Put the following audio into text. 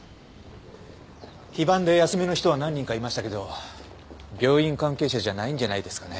非番で休みの人は何人かいましたけど病院関係者じゃないんじゃないですかね